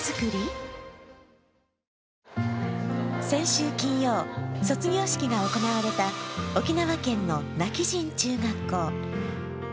先週金曜、卒業式が行われた沖縄県の今帰仁中学校。